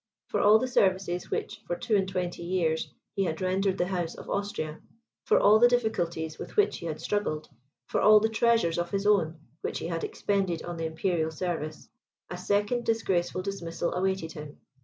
For all the services which, for two and twenty years, he had rendered the House of Austria; for all the difficulties with which he had struggled; for all the treasures of his own, which he had expended in the imperial service, a second disgraceful dismissal awaited him.